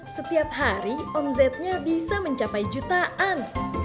setiap hari omsetnya bisa mencapai jutaan